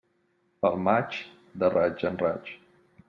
Pel maig, de raig a raig.